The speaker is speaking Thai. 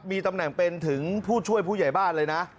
มีตำแหน่งเป็นถึงผู้ช่วยผู้ใหญ่บ้านเลยนะ